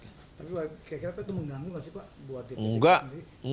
tapi kira kira itu mengganggu nggak sih pak